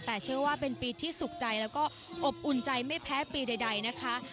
แต่เชื่อว่าเป็นปีที่สุขใจแล้วก็อบอุ่นใจไม่แพ้ปีใดนะคะ